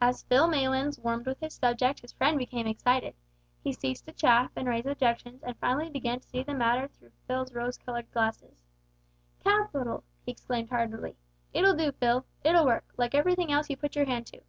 As Phil Maylands warmed with his subject his friend became excited. He ceased to chaff and raise objections, and finally began to see the matter through Phil's rose coloured glasses. "Capital," he exclaimed heartily. "It'll do, Phil. It'll work like everything else you put your hand to.